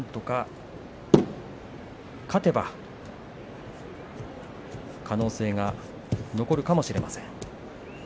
勝てば可能性が残るかもしれません。